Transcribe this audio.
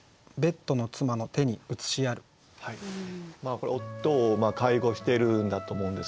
これ夫を介護してるんだと思うんですけどね